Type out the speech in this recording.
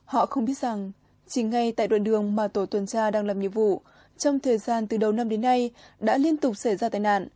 họ không biết rằng chỉ ngay tại đoạn đường mà tổ tuần tra đang làm nhiệm vụ trong thời gian từ đầu năm đến nay đã liên tục xảy ra tai nạn